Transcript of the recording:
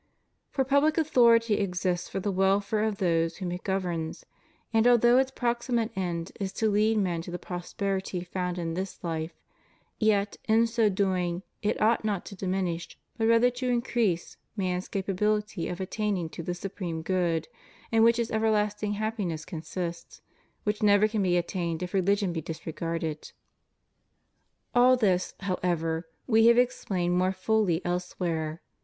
For public authority exists for the welfare of those whom it governs; and although its proximate end is to lead men to the prosperity found in this life, yet, in so doing, it ought not to diminish, but rather to increase, man's capability of attaining to the supreme good in which his everlasting happiness consists: which never can be attained if religion be disregarded. All this, however, We have explained more fully else where.